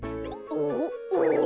おお！